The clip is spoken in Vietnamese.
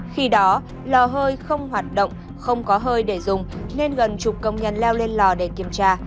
khi đó lò hơi không hoạt động không có hơi để dùng nên gần chục công nhân leo lên lò để kiểm tra